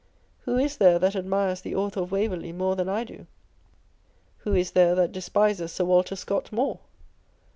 Who is there that admires the Author of Waverley more than I do ? Who is there that despises Sir Walter Scott nioj*e